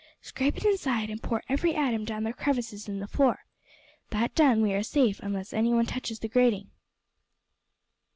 Scrape it inside and pour every atom down the crevices in the floor. That done, we are safe unless anyone touches the grating."